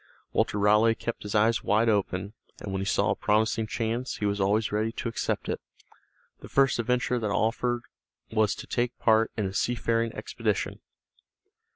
Walter Raleigh kept his eyes wide open, and when he saw a promising chance, he was always ready to accept it. The first adventure that offered was to take part in a seafaring expedition.